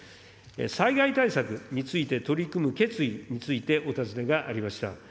災害対策について取り組む決意についてお尋ねがありました。